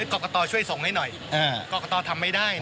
กรกตช่วยส่งให้หน่อยกรกตทำไม่ได้